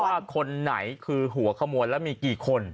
ว่าคนไหนคือหัวขโมยแล้วมีกี่คน